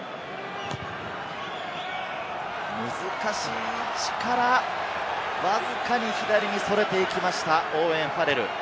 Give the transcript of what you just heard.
難しい位置から、わずかに左にそれていきました、オーウェン・ファレル。